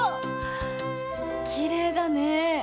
きれいだね。